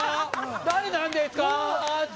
誰なんですかって。